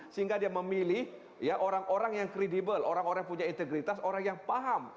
sehingga dia memilih orang orang yang kredibel orang orang yang punya integritas orang yang paham